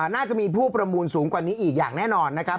น่าจะมีผู้ประมูลสูงกว่านี้อีกอย่างแน่นอนนะครับ